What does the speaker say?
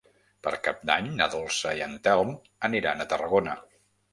Per Cap d'Any na Dolça i en Telm aniran a Tarragona.